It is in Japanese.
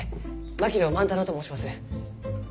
槙野万太郎と申します。